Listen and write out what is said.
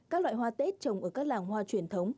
các loại hoa tết trồng ở các làng hoa truyền thống